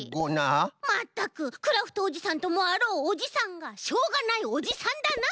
まったくクラフトおじさんともあろうおじさんがしょうがないおじさんだなあ！